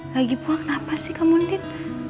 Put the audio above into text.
lagipula kenapa sih kamu din